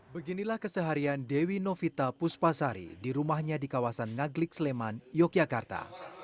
beginilah keseharian dewi novita puspasari di rumahnya di kawasan ngaglik sleman yogyakarta